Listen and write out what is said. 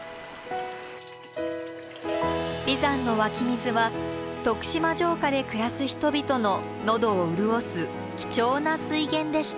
眉山の湧き水は徳島城下で暮らす人々の喉を潤す貴重な水源でした。